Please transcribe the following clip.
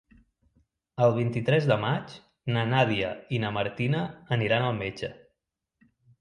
El vint-i-tres de maig na Nàdia i na Martina aniran al metge.